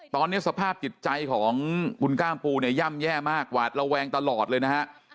ตอนนี้สภาพจิตใจของคุณก้ามปูเนี่ยย่ำแย่มากหวาดระแวงตลอดเลยนะฮะ